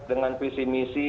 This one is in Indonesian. dengan visi misi